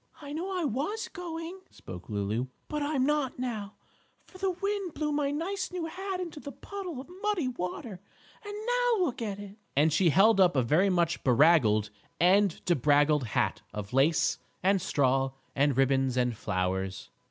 "I know I was going," spoke Lulu, "but I'm not now, for the wind blew my nice new hat into the puddle of muddy water, and now look at it!" and she held up a very much beraggled and debraggled hat of lace and straw and ribbons and flowers.